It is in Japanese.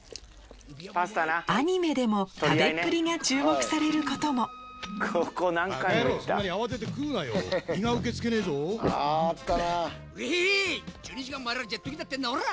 アニメでも食べっぷりが注目されることもあったなぁ。